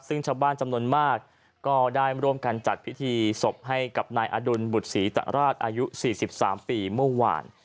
ซึ่งชาวบ้านจำนวนมากก็ได้ร่วมกันจัดพิธีศพให้กับนายอดุลบุตรศรีตราชอายุ๔๓ปีเมื่อวาน